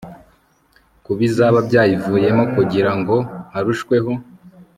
ku bizaba byayivuyemo kugira ngo harushweho